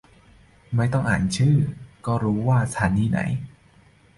ไม่ต้องอ่านชื่อก็จะรู้ว่าอยู่สถานีไหน